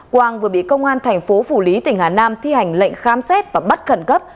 quang vừa bị công an thành phố phủ lý tỉnh hà nam thi hành lệnh khám xét và bắt khẩn cấp